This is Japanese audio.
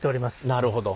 なるほど。